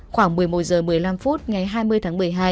khoảng một mươi một h một mươi năm phút ngày hai mươi tháng năm